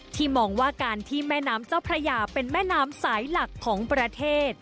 มองว่าการที่แม่น้ำเจ้าพระยาเป็นแม่น้ำสายหลักของประเทศ